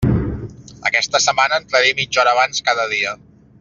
Aquesta setmana entraré mitja hora abans cada dia.